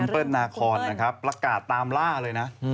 เปิ้ลนาคอนนะครับประกาศตามล่าเลยนะ